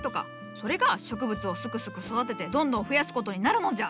それが植物をすくすく育ててどんどん増やすことになるのじゃ！